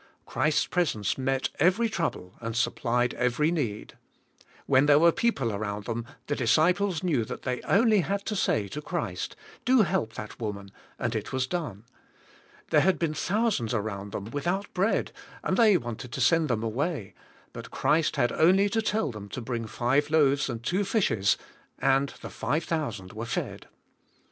Christ's pres ence met every trouble and supplied every need. When there were people around them the disciples knew that they had only to say to Christ, "Do help that woman," and it was done. There had been thousands around them, without bread and they wanted to send them away, but Christ had only to tell them to bring five loaves and two fishes and the five thousand were fed.